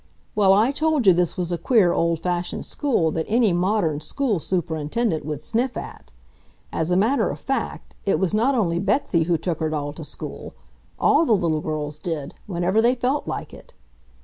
Well, I told you this was a queer, old fashioned school that any modern School Superintendent would sniff at. As a matter of fact, it was not only Betsy who took her doll to school; all the little girls did, whenever they felt like it.